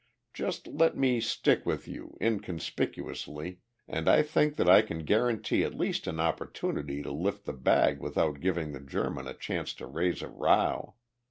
Just let me stick with you, inconspicuously, and I think that I can guarantee at least an opportunity to lift the bag without giving the German a chance to raise a row."